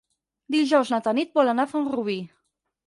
Dijous na Tanit vol anar a Font-rubí.